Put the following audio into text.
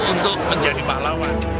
untuk menjadi pahlawan